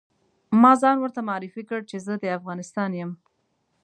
ما ځان ورته معرفي کړ چې زه د افغانستان یم.